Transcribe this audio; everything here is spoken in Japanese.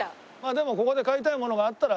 でもここで買いたいものがあったら。